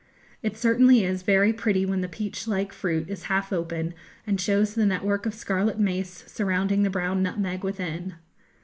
It certainly is very pretty when the peach like fruit is half open and shows the network of scarlet mace surrounding the brown nutmeg within.